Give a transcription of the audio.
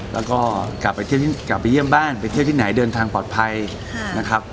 แล้วก็กลับไปเยี่ยมบ้านไปเที่ยวที่ไหนเดินทางปลอดภัยนะครับ